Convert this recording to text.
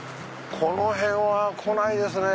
この辺は来ないですね。